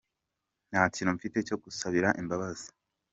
Nta kintu mfite cyo gusabira imbabazi.